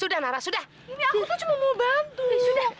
eh aku tuh cuma mau bantu